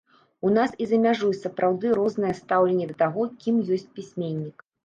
У нас і за мяжой сапраўды рознае стаўленне да таго, кім ёсць пісьменнік.